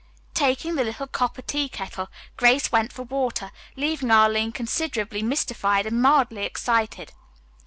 Taking the little copper tea kettle, Grace went for water, leaving Arline considerably mystified and mildly excited.